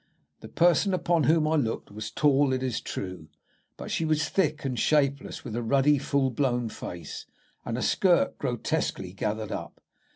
The person upon whom I looked was tall, it is true, but she was thick and shapeless, with a ruddy, full blown face, and a skirt grotesquely gathered up.